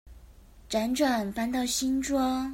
輾轉搬到新莊